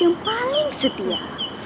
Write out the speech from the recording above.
yang paling setia